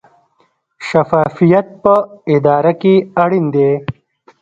شفافیت په اداره کې اړین دی